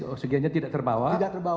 oksigennya tidak terbawa